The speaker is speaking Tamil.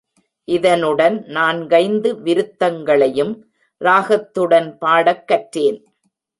இதனுடன் நான்கைந்து விருத்தங்களையும் ராகத்துடன் பாடக் கற்றேன்.